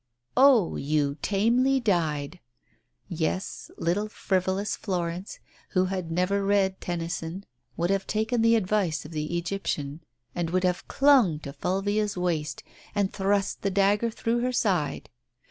" Oh, you tamely died !" Yes, little frivolous Florence, who had never read Tennyson, would have taken the advice of the Egyptian and would have "clung to Fulvia's waist, and thrust the dagger through her side."